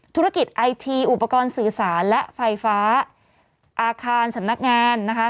ธุรกิจไอทีอุปกรณ์สื่อสารและไฟฟ้าอาคารสำนักงานนะคะ